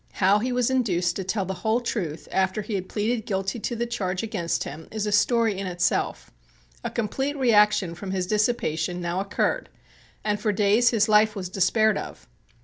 How he was induced to tell the whole truth after he had pleaded guilty to the charge against him is a story in itself. A complete reaction from his dissipation now occurred and for days his life was despaired of.